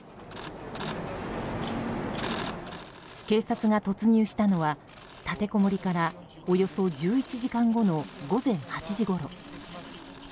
警察が突入したのは立てこもりからおよそ１１時間後の午前８時ごろ。